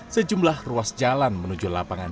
sejumlah ruas jalan menuju lapangan